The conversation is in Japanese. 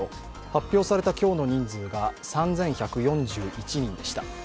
発表された今日の人数が３１４１人でした。